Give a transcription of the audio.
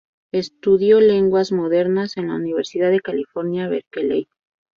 Estudió lenguas modernas en la Universidad de California, Berkeley.